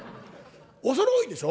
恐れ多いでしょ？